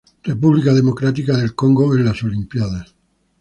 República Democrática del Congo en las Olimpíadas